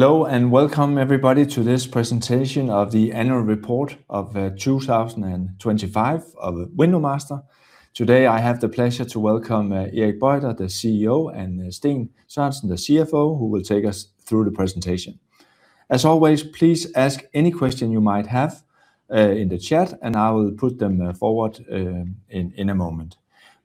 Hello and welcome everybody to this presentation of the annual report of 2025 of WindowMaster. Today, I have the pleasure to welcome Erik Boyter, CEO, and Steen Sørensen, CFO, who will take us through the presentation. As always, please ask any question you might have in the chat, and I will put them forward in a moment.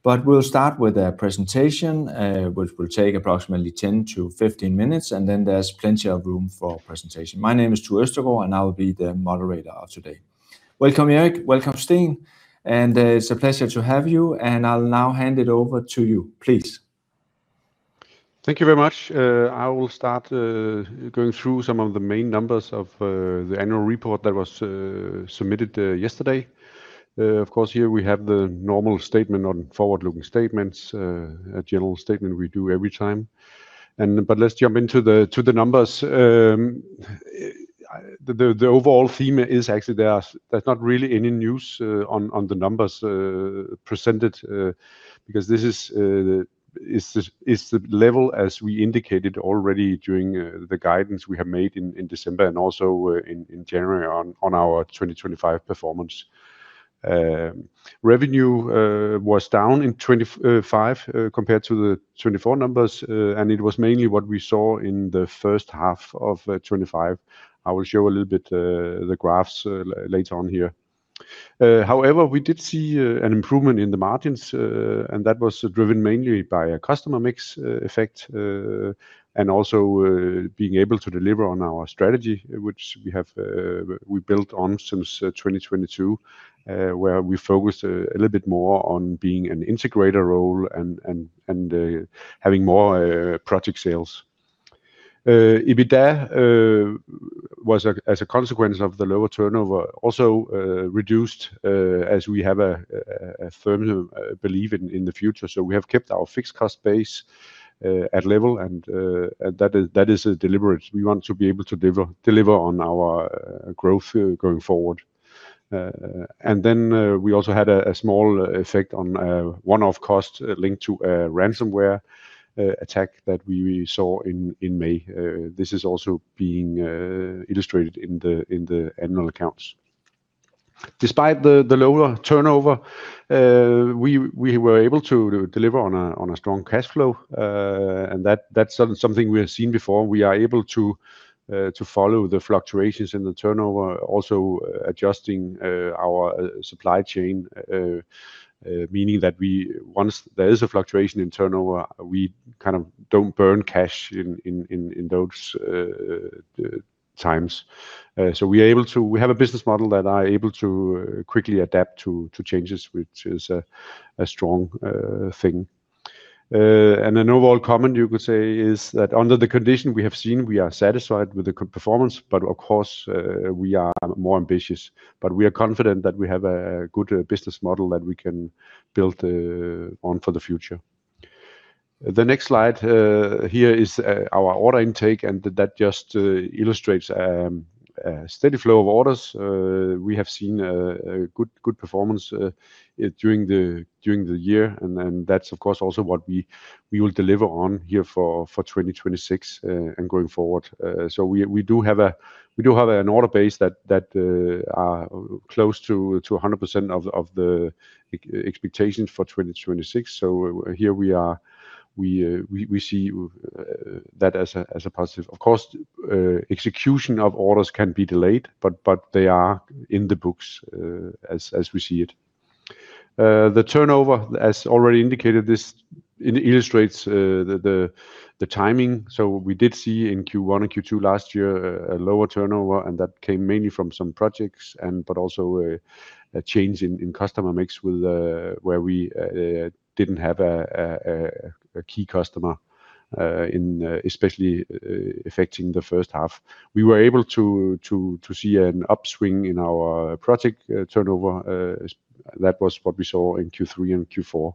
But we'll start with a presentation which will take approximately 10-15 minutes, and then there's plenty of room for presentation. My name is Tue Østergaard, and I'll be the moderator of today. Welcome, Erik. Welcome, Steen. It's a pleasure to have you, and I'll now hand it over to you, please. Thank you very much. I will start going through some of the main numbers of the annual report that was submitted yesterday. Of course, here we have the normal statement on forward-looking statements, a general statement we do every time. Let's jump into the numbers. The overall theme is actually there's not really any news on the numbers presented, because this is the level as we indicated already during the guidance we have made in December and also in January on our 2025 performance. Revenue was down in 2025 compared to the 2024 numbers, and it was mainly what we saw in the first half of 2025. I will show a little bit the graphs later on here. However, we did see an improvement in the margins, and that was driven mainly by a customer mix effect, and also being able to deliver on our strategy, which we built on since 2022, where we focused a little bit more on being an integrator role and having more project sales. EBITDA was, as a consequence of the lower turnover, also reduced, as we have a firm belief in the future. We have kept our fixed cost base at level, and that is deliberate. We want to be able to deliver on our growth going forward. We also had a small effect on one-off costs linked to a ransomware attack that we saw in May. This is also being illustrated in the annual accounts. Despite the lower turnover, we were able to deliver on a strong cash flow, and that's something we have seen before. We are able to follow the fluctuations in the turnover, also adjusting our supply chain, meaning that once there is a fluctuation in turnover, we kind of don't burn cash in those times. We have a business model that are able to quickly adapt to changes, which is a strong thing. An overall comment you could say is that under the condition we have seen, we are satisfied with the performance, but of course, we are more ambitious. We are confident that we have a good business model that we can build on for the future. The next slide here is our order intake, and that just illustrates a steady flow of orders. We have seen a good performance during the year, and then that's of course also what we will deliver on here for 2026 and going forward. We do have an order base that are close to 100% of the expectations for 2026. Here we are. We see that as a positive. Of course, execution of orders can be delayed, but they are in the books, as we see it. The turnover, as already indicated, this illustrates the timing. We did see in Q1 and Q2 last year a lower turnover, and that came mainly from some projects but also a key customer in especially affecting the first half. We were able to see an upswing in our project turnover. That was what we saw in Q3 and Q4.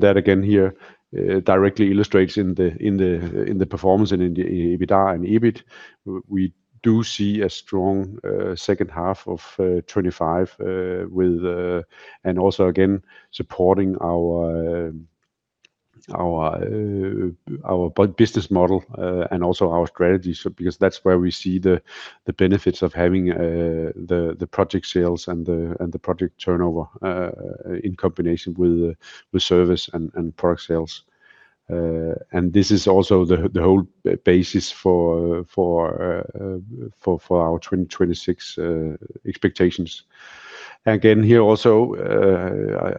That again here directly illustrates in the performance and in the EBITDA and EBIT. We do see a strong second half of 2025 with supporting our business model and also our strategy. Because that's where we see the benefits of having the project sales and the project turnover in combination with service and product sales. This is also the whole basis for our 2026 expectations. Again, here also,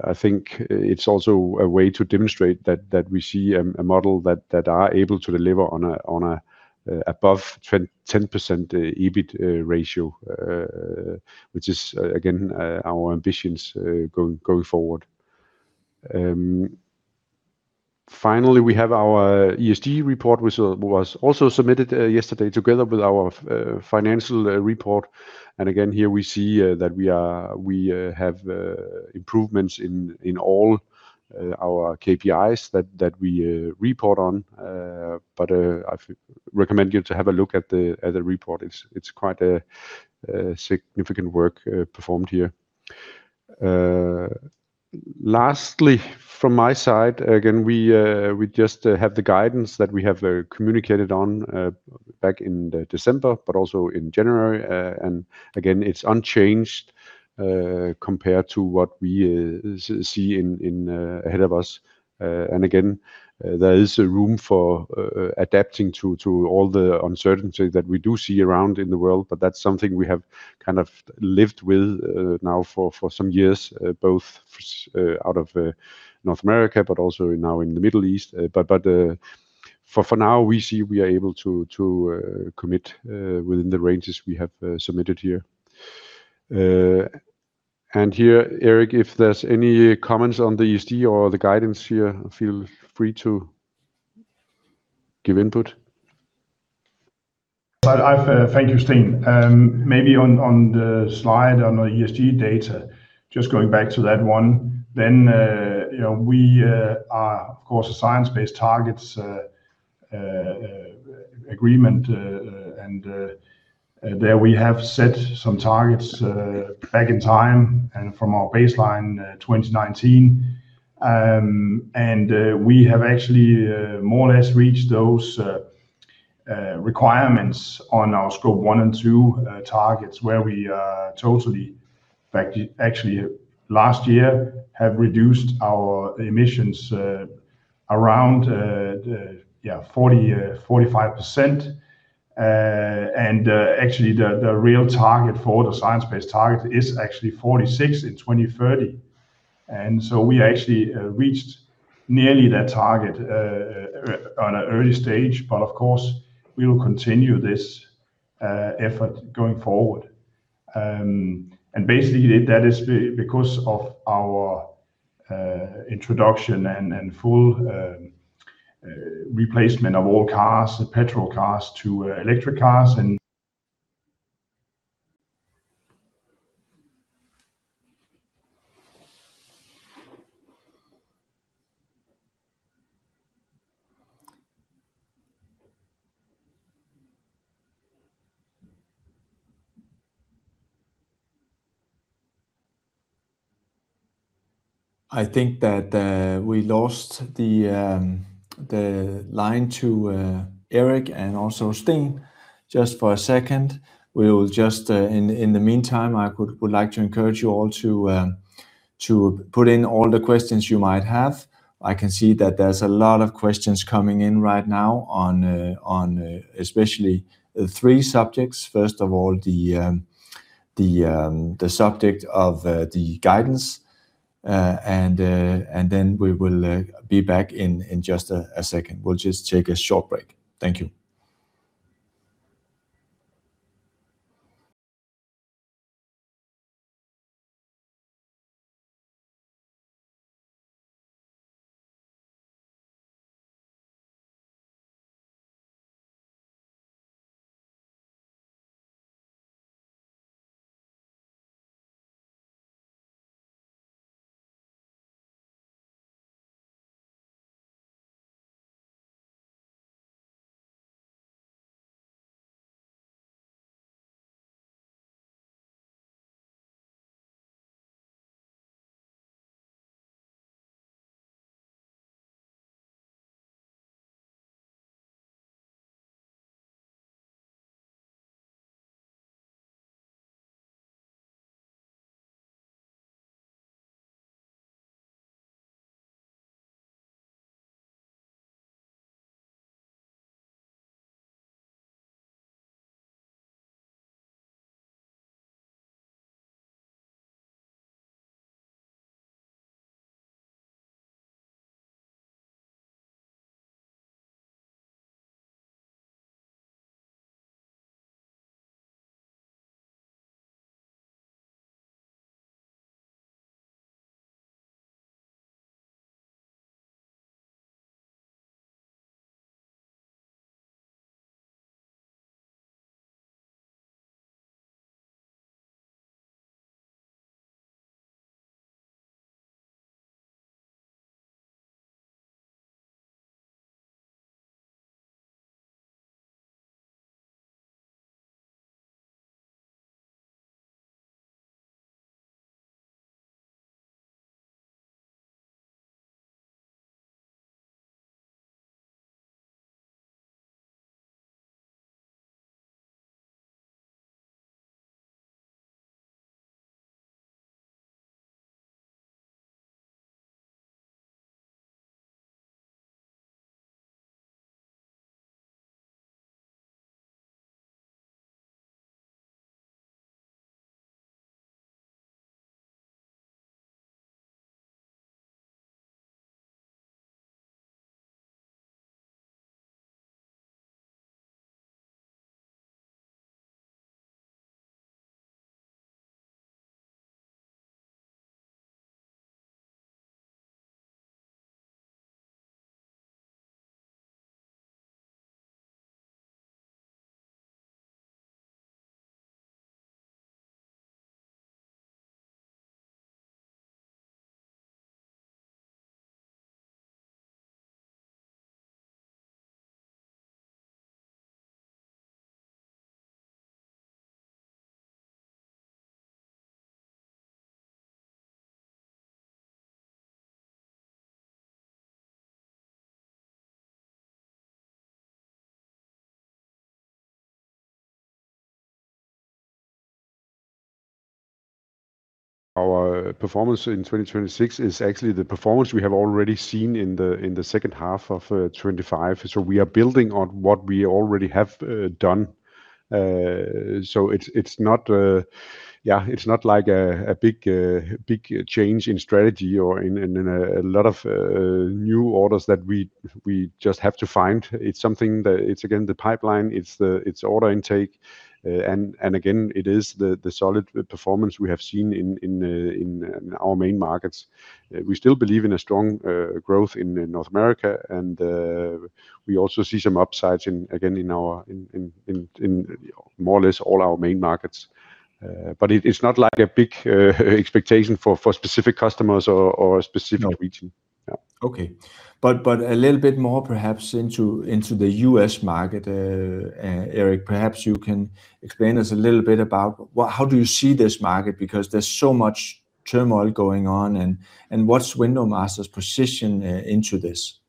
I think it's also a way to demonstrate that we see a model that are able to deliver on a above 10% EBIT ratio, which is again our ambitions going forward. Finally, we have our ESG report, which was also submitted yesterday together with our financial report. Again, here we see that we have improvements in all our KPIs that we report on. I recommend you to have a look at the report. It's quite a significant work performed here. Lastly, from my side, again, we just have the guidance that we have communicated on back in December, but also in January. Again, it's unchanged compared to what we see ahead of us. Again, there is a room for adapting to all the uncertainty that we do see around in the world, but that's something we have kind of lived with now for some years, both out of North America, but also now in the Middle East. For now, we see we are able to commit within the ranges we have submitted here. Here, Erik, if there's any comments on the ESG or the guidance here, feel free to give input. Thank you, Steen. Maybe on the slide on the ESG data, just going back to that one then, you know, we are of course a Science-Based Targets agreement, and there we have set some targets back in time and from our baseline 2019. We have actually more or less reached those requirements on our Scope 1 and 2 targets where we actually last year have reduced our emissions around 45%. Actually the real target for the Science-Based Target is actually 46% in 2030. We actually reached nearly that target on an early stage. Of course, we will continue this effort going forward. Basically that is because of our introduction and full replacement of all cars, petrol cars to electric cars and. I think that we lost the line to Erik and also Steen just for a second. We will just. In the meantime, I would like to encourage you all to put in all the questions you might have. I can see that there's a lot of questions coming in right now on, especially three subjects. First of all, the subject of the guidance. Then we will be back in just a second. We'll just take a short break. Thank you. Our performance in 2026 is actually the performance we have already seen in the second half of 2025. We are building on what we already have done. It's not like a big change in strategy or in a lot of new orders that we just have to find. It's the order intake and again it is the solid performance we have seen in our main markets. We still believe in a strong growth in North America. We also see some upsides, again, in our more or less all our main markets. It's not like a big expectation for specific customers or a specific region. Okay. A little bit more perhaps into the U.S. market, Erik, perhaps you can explain us a little bit about how do you see this market because there's so much turmoil going on and what's WindowMaster's position into this?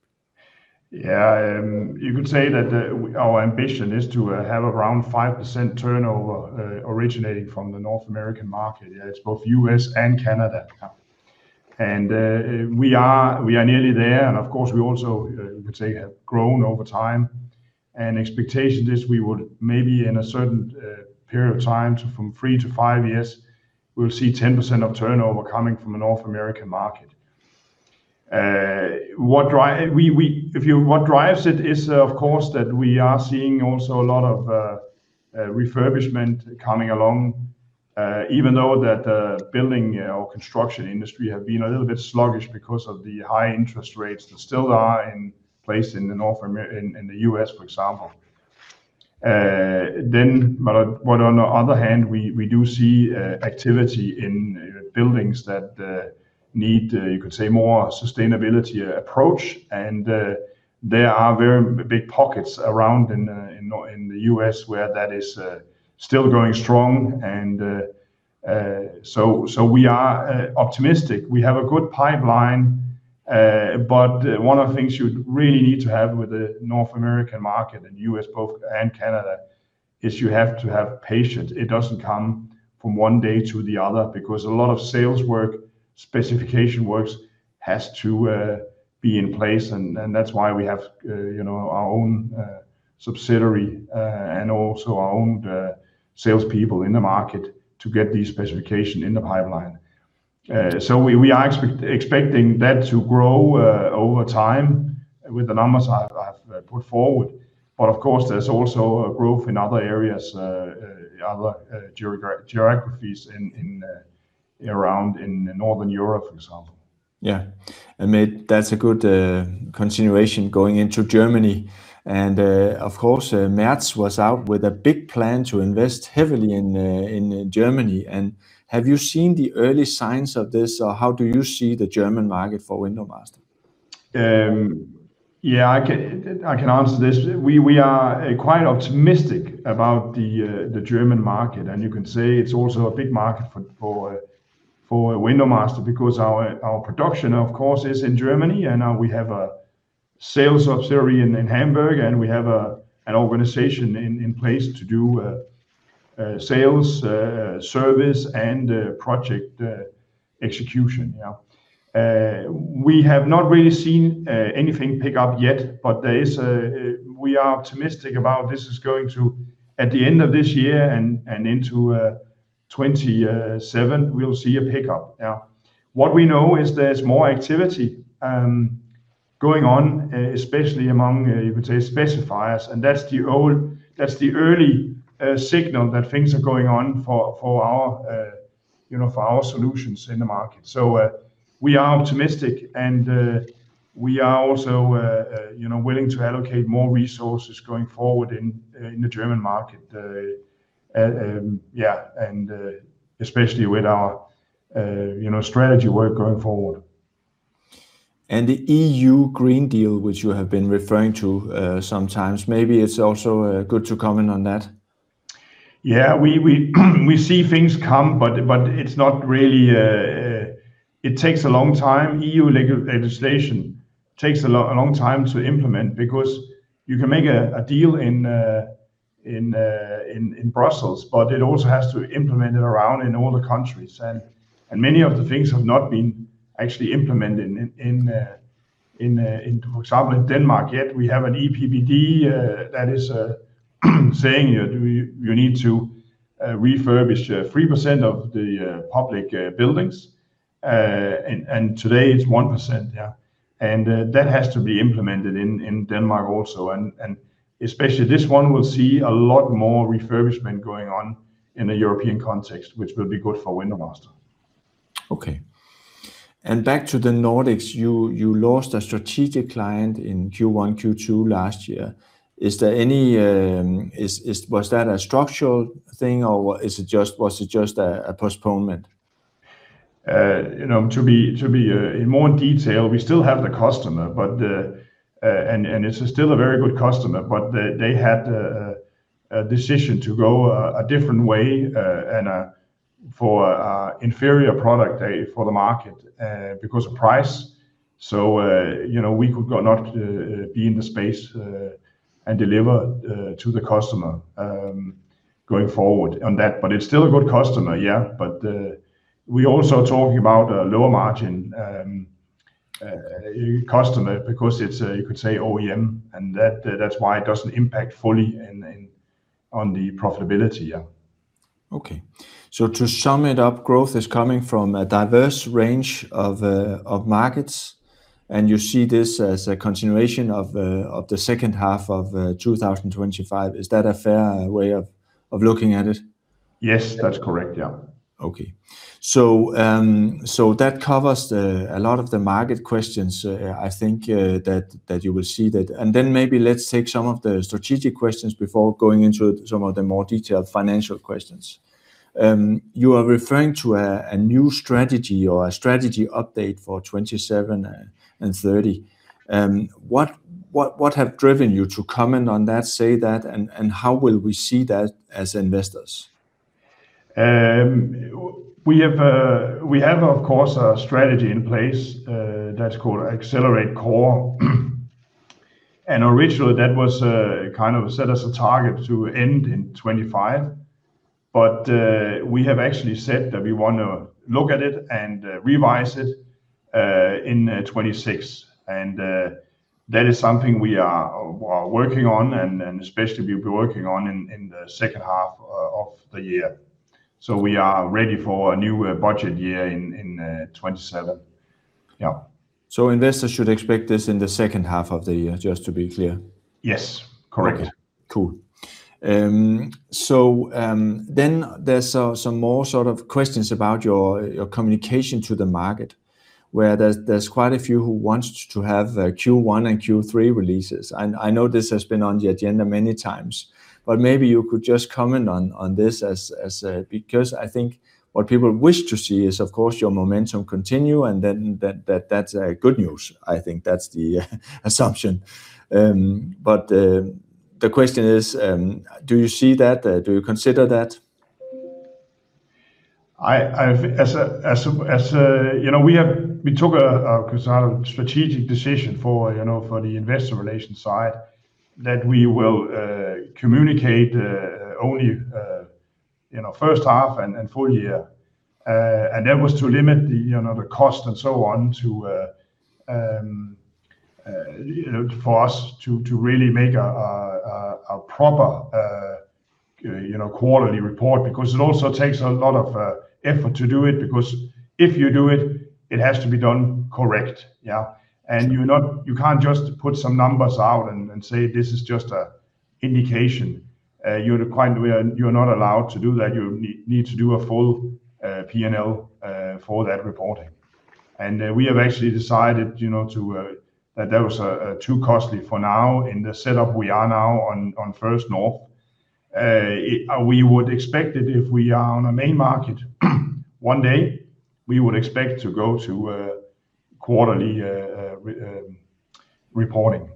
Yeah. You could say that, our ambition is to have around 5% turnover originating from the North American market. Yeah. It's both U.S. and Canada. Yeah. We are nearly there. Of course, we also you could say have grown over time. Expectation is we would maybe in a certain period of time from 3-5 years, we'll see 10% of turnover coming from the North American market. What drives it is of course that we are seeing also a lot of refurbishment coming along, even though that building or construction industry have been a little bit sluggish because of the high interest rates that still are in place in the North America, in the U.S., for example. On the other hand, we do see activity in buildings that need you could say more sustainability approach. There are very big pockets around in the U.S. where that is still going strong. We are optimistic. We have a good pipeline. One of the things you really need to have with the North American market, both in the U.S. and Canada, is you have to have patience. It doesn't come from one day to the next because a lot of sales work, specification work has to be in place. That's why we have, you know, our own subsidiary and also our own salespeople in the market to get these specifications in the pipeline. We are expecting that to grow over time with the numbers I've put forward. Of course, there's also a growth in other areas, other geographies in and around Northern Europe, for example. Yeah. Made, that's a good continuation going into Germany. Of course, Merz was out with a big plan to invest heavily in Germany. Have you seen the early signs of this or how do you see the German market for WindowMaster? Yeah, I can answer this. We are quite optimistic about the German market. You can say it's also a big market for WindowMaster because our production of course is in Germany, and we have a sales subsidiary in Hamburg, and we have an organization in place to do sales, service, and project execution. Yeah. We have not really seen anything pick up yet, but we are optimistic about this is going to at the end of this year and into 2027 we'll see a pickup. Yeah. What we know is there's more activity going on, especially among, you could say specifiers, and that's the early signal that things are going on for our you know for our solutions in the market. We are optimistic and we are also you know willing to allocate more resources going forward in the German market. Especially with our you know strategy work going forward. The EU Green Deal, which you have been referring to sometimes, maybe it's also good to comment on that. We see things come, but it's not really. It takes a long time. EU legislation takes a long time to implement because you can make a deal in Brussels, but it also has to implement it around in all the countries. Many of the things have not been actually implemented in, for example, Denmark yet. We have an EPBD that is saying you need to refurbish 3% of the public buildings. Today it's 1%. That has to be implemented in Denmark also. Especially this one will see a lot more refurbishment going on in a European context, which will be good for WindowMaster. Okay. Back to the Nordics, you lost a strategic client in Q1, Q2 last year. Was that a structural thing or was it just a postponement? You know, to be in more detail, we still have the customer, but and it's still a very good customer, but they had a decision to go a different way and for inferior product for the market because of price. You know, we could not be in the space and deliver to the customer going forward on that, but it's still a good customer. Yeah. We also talking about a lower margin customer because it's a you could say OEM, and that's why it doesn't impact fully on the profitability. Yeah. Okay. To sum it up, growth is coming from a diverse range of markets, and you see this as a continuation of the second half of 2025. Is that a fair way of looking at it? Yes. That's correct. Yeah. Okay. That covers a lot of the market questions. I think that you will see that. Maybe let's take some of the strategic questions before going into some of the more detailed financial questions. You are referring to a new strategy or a strategy update for 2027 and 2030. What have driven you to comment on that, say that, and how will we see that as investors? We have of course a strategy in place that's called Accelerate Core. Originally, that was kind of set as a target to end in 2025. We have actually said that we want to look at it and revise it in 2026. That is something we are working on and especially we'll be working on in the second half of the year. We are ready for a new budget year in 2027. Yeah. Investors should expect this in the second half of the year, just to be clear? Yes. Correct. Okay. Cool. There's some more sort of questions about your communication to the market, where there's quite a few who wants to have a Q1 and Q3 releases. I know this has been on the agenda many times, but maybe you could just comment on this because I think what people wish to see is, of course, your momentum continue, and then that's good news. I think that's the assumption. The question is, do you see that? Do you consider that? We took a kind of strategic decision for the investor relations side that we will communicate only first half and full year. That was to limit the cost and so on for us to really make a proper quarterly report because it also takes a lot of effort to do it because if you do it has to be done correct. You can't just put some numbers out and say, "This is just an indication." You're not allowed to do that. You need to do a full P&L for that reporting. We have actually decided, you know, that that was too costly for now in the setup we are now on First North. We would expect it if we are on a main market one day, we would expect to go to a quarterly reporting.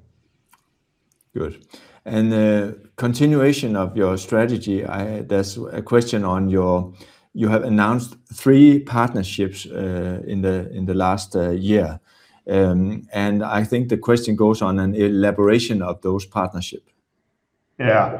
Good. The continuation of your strategy, there's a question. You have announced three partnerships in the last year. I think the question is on an elaboration of those partnerships. Yeah.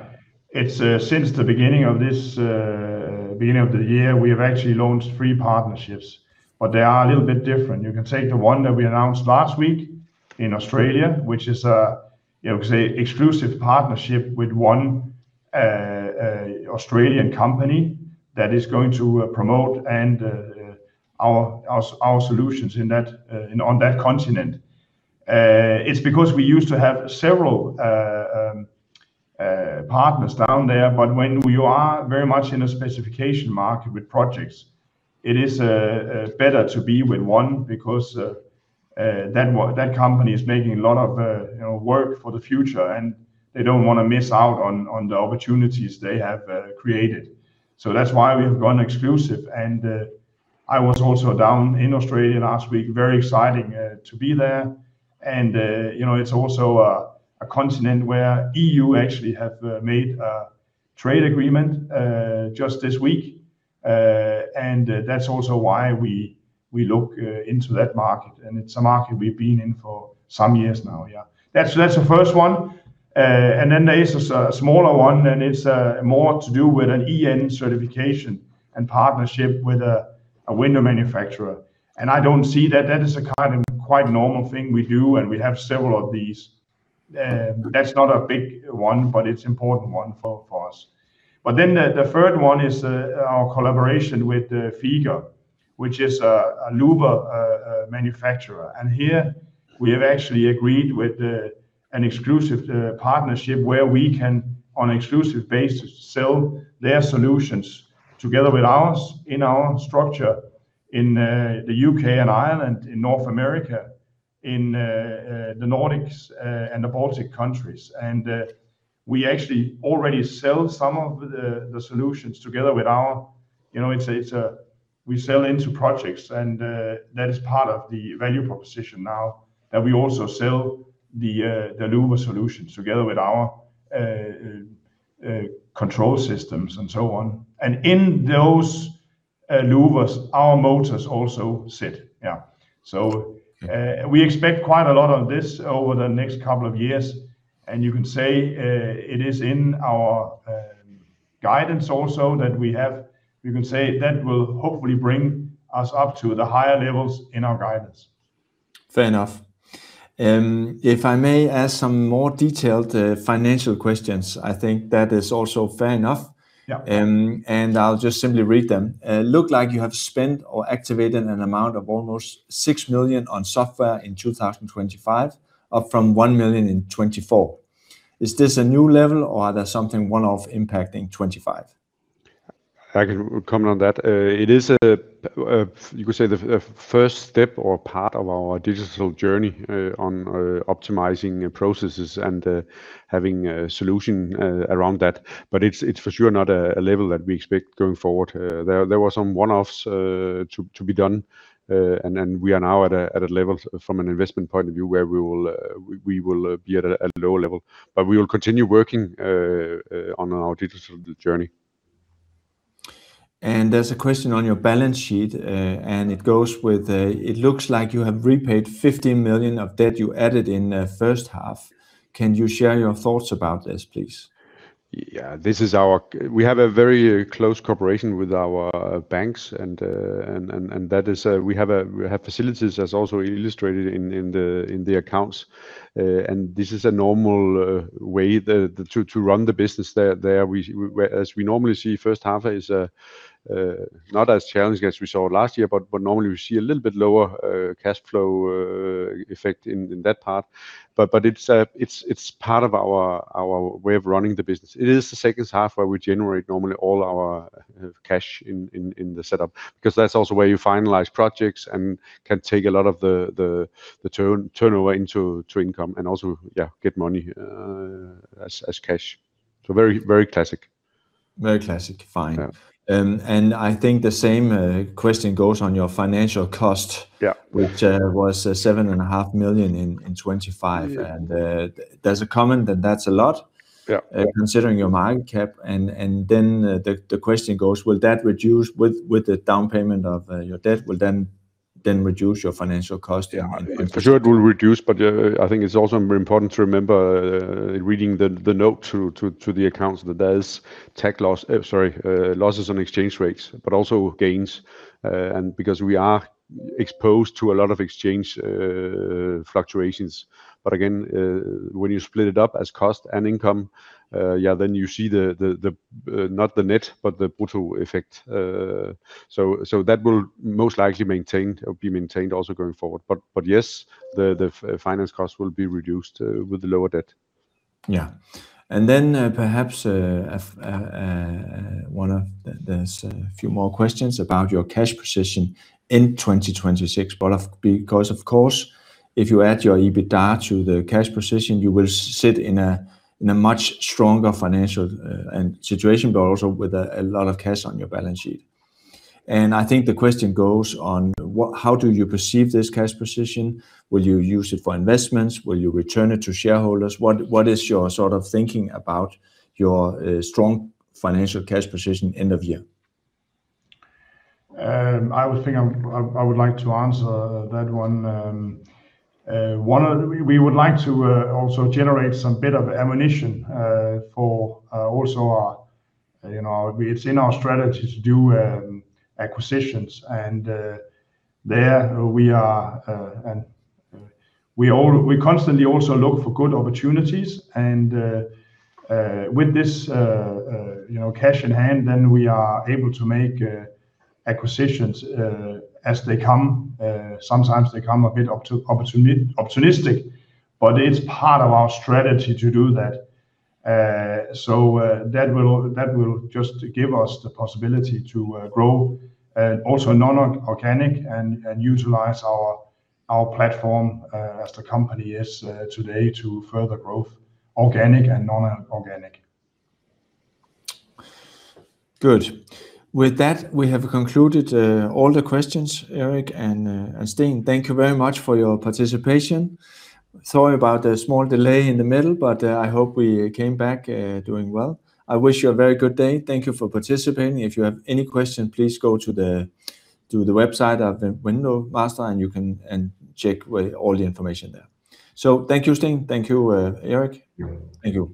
It's since the beginning of the year, we have actually launched three partnerships, but they are a little bit different. You can take the one that we announced last week in Australia, which is a, you know, say, exclusive partnership with one Australian company that is going to promote and our solutions in on that continent. It's because we used to have several partners down there, but when you are very much in a specification market with projects, it is better to be with one because that company is making a lot of, you know, work for the future, and they don't wanna miss out on the opportunities they have created. That's why we've gone exclusive. I was also down in Australia last week. Very exciting to be there. You know, it's also a continent where EU actually have made a trade agreement just this week. That's also why we look into that market, and it's a market we've been in for some years now. Yeah. That's the first one. Then there is a smaller one, and it's more to do with an EN certification and partnership with a window manufacturer. I don't see that that is a kind of quite normal thing we do, and we have several of these. That's not a big one, but it's important one for us. The third one is our collaboration with VEKA, which is a louvre manufacturer. Here we have actually agreed with an exclusive partnership where we can on exclusive basis sell their solutions together with ours in our structure in the U.K. and Ireland, in North America, in the Nordics, and the Baltic countries. We actually already sell some of the solutions together with ours. You know, it's we sell into projects, and that is part of the value proposition now that we also sell the louvre solutions together with our control systems and so on. In those louvres, our motors also sit. Yeah. We expect quite a lot of this over the next couple of years, and you can say, it is in our guidance also that we have, you can say, that will hopefully bring us up to the higher levels in our guidance. Fair enough. If I may ask some more detailed, financial questions, I think that is also fair enough. Yeah. I'll just simply read them. Looks like you have spent or activated an amount of almost 6 million on software in 2025, up from 1 million in 2024. Is this a new level, or is there something one-off impacting 2025? I can comment on that. It is, you could say, the first step or part of our digital journey on optimizing processes and having a solution around that. It's for sure not a level that we expect going forward. There were some one-offs to be done. We are now at a level from an investment point of view where we will be at a lower level. We will continue working on our digital journey. There's a question on your balance sheet, and it goes with, it looks like you have repaid 50 million of debt you added in first half. Can you share your thoughts about this, please? We have a very close cooperation with our banks and that is we have facilities as also illustrated in the accounts. This is a normal way to run the business there. Whereas we normally see first half is not as challenging as we saw last year, but normally we see a little bit lower cash flow effect in that part. It's part of our way of running the business. It is the second half where we generate normally all our cash in the setup, because that's also where you finalize projects and can take a lot of the turnover into income and also, yeah, get money as cash. Very, very classic. Very classic. Fine. Yeah. I think the same question goes on your financial cost. Yeah Which was 7.5 million in 2025. Yeah. There's a comment that that's a lot. Yeah Considering your market cap. The question goes: Will that reduce with the down payment of your debt will then reduce your financial cost in. Yeah. For sure it will reduce, but I think it's also important to remember reading the note to the accounts that there are losses on exchange rates, but also gains. Because we are exposed to a lot of exchange fluctuations. Again, when you split it up as cost and income, then you see not the net, but the brutal effect. That will most likely be maintained also going forward. Yes, the finance cost will be reduced with the lower debt. Yeah. Perhaps there's a few more questions about your cash position in 2026, but because of course, if you add your EBITDA to the cash position, you will sit in a much stronger financial situation, but also with a lot of cash on your balance sheet. I think the question goes on how do you perceive this cash position? Will you use it for investments? Will you return it to shareholders? What is your sort of thinking about your strong financial cash position end of year? I would like to answer that one. We would like to also generate some bit of ammunition for also our, you know, it's in our strategy to do acquisitions. With this, you know, cash in hand, then we are able to make acquisitions as they come. Sometimes they come a bit opportunistic, but it's part of our strategy to do that. That will just give us the possibility to grow also non-organic and utilize our platform as the company is today to further growth, organic and non-organic. Good. With that, we have concluded all the questions, Erik and Steen. Thank you very much for your participation. Sorry about the small delay in the middle, but I hope we came back doing well. I wish you a very good day. Thank you for participating. If you have any question, please go to the website of the WindowMaster, and you can check with all the information there. Thank you, Steen. Thank you, Erik. You're welcome. Thank you.